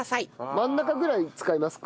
真ん中ぐらい使いますか？